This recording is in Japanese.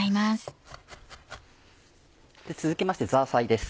続きましてザーサイです。